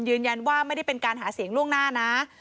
ยืนยันว่าไม่ได้เป็นการหาเสียงล่วงหน้านะ